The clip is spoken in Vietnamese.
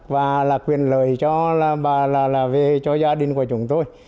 và là quyền lợi cho gia đình của chúng tôi